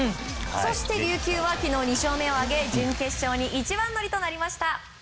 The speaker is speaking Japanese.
そして琉球は昨日２勝目を挙げ準決勝に一番乗りです。